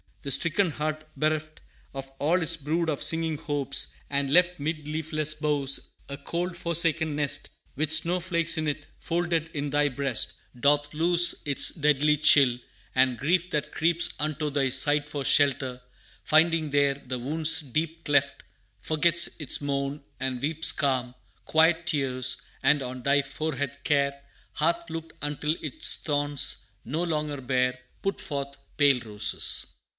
The stricken heart bereft Of all its brood of singing hopes, and left 'Mid leafless boughs, a cold, forsaken nest With snow flakes in it, folded in Thy breast Doth lose its deadly chill; and grief that creeps Unto Thy side for shelter, finding there The wound's deep cleft, forgets its moan, and weeps Calm, quiet tears, and on Thy forehead Care Hath looked until its thorns, no longer bare, Put forth pale roses.